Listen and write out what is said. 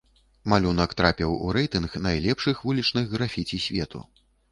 Малюнак трапіў у рэйтынг найлепшых вулічных графіці свету.